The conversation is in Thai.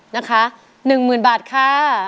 นะคะ๑หมื่นบาทค่ะ